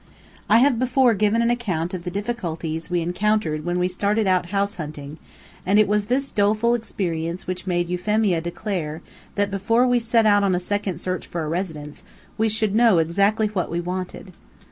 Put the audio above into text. I have before given an account of the difficulties we encountered when we started out house hunting, and it was this doleful experience which made Euphemia declare that before we set out on a second search for a residence, we should know exactly what we wanted.